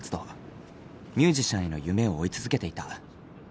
ミュージシャンへの夢を追い続けていた。